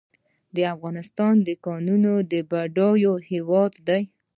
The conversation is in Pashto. افغانستان د کانونو بډایه هیواد دی